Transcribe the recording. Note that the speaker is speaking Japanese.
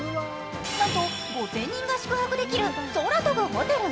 なんと５０００人が宿泊できる空飛ぶホテル？